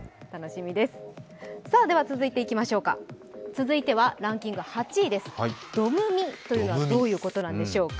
続いては、ランキング８位です、どむみというのはどういうことなんでしょうか。